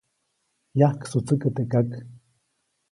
-Yajksutsäkä teʼ kak.-